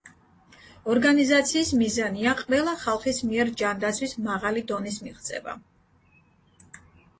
ორგანიზაციის მიზანია ყველა ხალხის მიერ ჯანდაცვის მაღალი დონის მიღწევა.